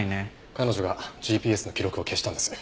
彼女がＧＰＳの記録を消したんです。